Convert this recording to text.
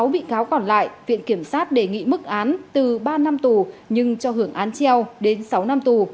sáu bị cáo còn lại viện kiểm sát đề nghị mức án từ ba năm tù nhưng cho hưởng án treo đến sáu năm tù